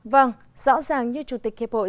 vâng rõ ràng như chủ tịch kế bội